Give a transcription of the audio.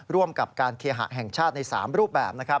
ร่วมกับการเคหะแห่งชาติใน๓รูปแบบ